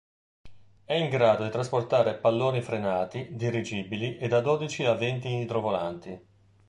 Era in grado di trasportare palloni frenati, dirigibili e da dodici a venti idrovolanti.